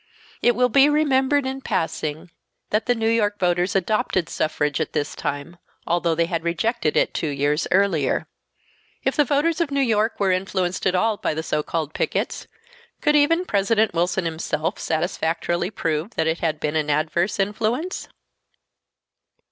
It will be remembered, in passing, that the New York voters adopted suffrage at this time, although they had rejected it two years earlier. If the voters of New York were influenced at all by the "so called pickets," could even President Wilson himself satisfactorily prove that it had been an adverse influence?